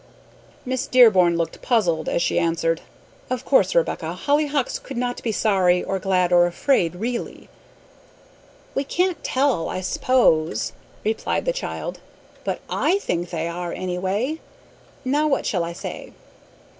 Miss Dearborn looked puzzled as she answered, "Of course, Rebecca, hollyhocks could not be sorry, or glad, or afraid, really." "We can't tell, I s'pose," replied the child; "but I think they are, anyway. Now what shall I say?"